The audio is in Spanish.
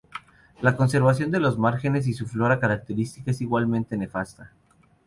La conservación de los márgenes y su flora característica es igualmente nefasta.